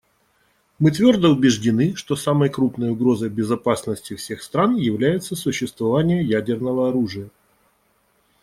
Мы твердо убеждены, что самой крупной угрозой безопасности всех стран является существование ядерного оружия.